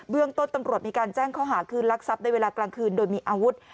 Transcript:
เรื่องต้นตำรวจมีการแจ้งข้อหาคืนลักทรัพย์ในเวลากลางคืนโดยมีอาวุธ